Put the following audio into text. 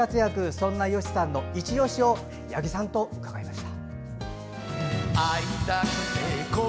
そんな吉さんのいちオシを八木さんと伺いました。